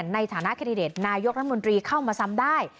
ในฐานะแคนดิเดตนายกรัฐมนตรีเข้ามาซ้ำได้